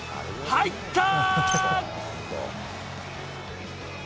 入った。